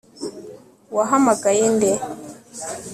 wahamagaye nde